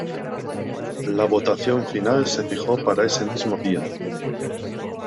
La votación final se fijó para ese mismo día.